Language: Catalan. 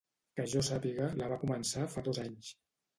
Que jo sàpiga la va començar fa dos anys.